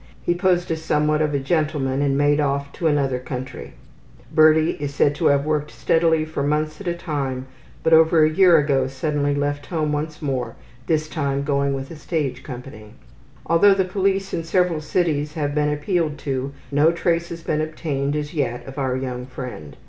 He posed as somewhat of a gentleman and made off to another country. Birdie is said to have worked steadily for months at a time, but over a year ago suddenly left home once more, this time going with a stage company. Although the police in several cities have been appealed to, no trace has been obtained as yet of our young friend.